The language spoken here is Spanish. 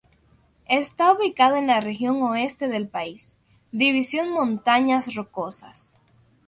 Está ubicado en la región Oeste del país, división Montañas Rocosas.